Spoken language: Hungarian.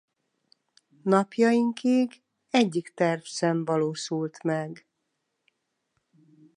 Napjainkig egyik terv sem valósult meg.